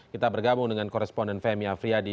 kita bergabung dengan koresponden femi afriyadi